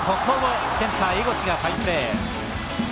センター、江越のファインプレー。